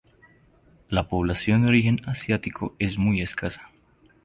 La población de origen asiático es muy escasa.